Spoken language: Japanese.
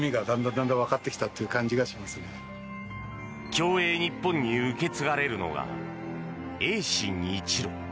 競泳日本に受け継がれるのが泳心一路。